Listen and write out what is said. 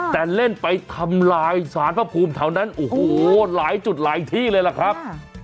แต่เล่นไปทำลายสารพระภูมิแถวนั้นโอ้โหหลายจุดหลายที่เลยล่ะครับ